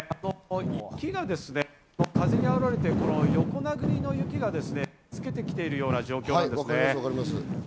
雪が風にあおられて、横殴りの雪が吹きつけてきているような状況です。